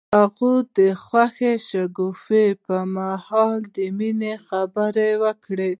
هغه د خوښ شګوفه پر مهال د مینې خبرې وکړې.